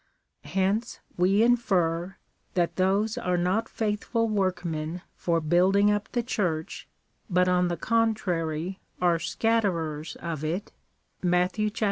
Hence we infer, that those are not faithful Avorkmen for building up the Church, but on the contrary are scatterers of it, (Matt, xii.